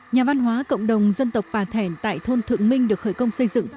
nhà văn hóa cộng đồng dân tộc bà thẻn tại thôn thượng minh được khởi công xây dựng